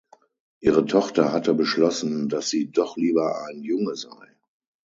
Ihre Tochter hatte beschlossen, dass sie doch lieber ein Junge sei.